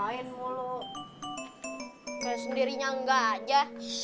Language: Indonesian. kayak sendirinya enggak aja